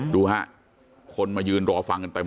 ดูฮะคนมายืนรอฟังกันตั้งหมด